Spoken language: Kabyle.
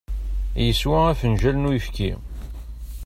Yeswa afenǧal n uyefki.